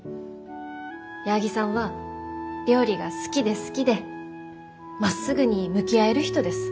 矢作さんは料理が好きで好きでまっすぐに向き合える人です。